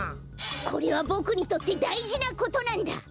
これはボクにとってだいじなことなんだ！